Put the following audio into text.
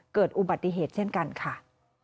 เกิดอุบัติเหตุเช่นกันค่ะ